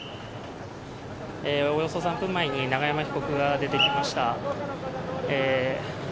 およそ３分前に永山被告が出てきました。